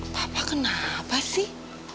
papa kenapa sih